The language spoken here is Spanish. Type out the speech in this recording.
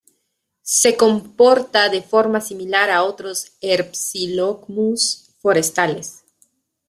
Se comporta de forma similar a otros "Herpsilochmus" forestales.